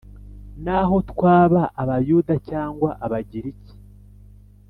naho twaba Abayuda cyangwa Abagiriki,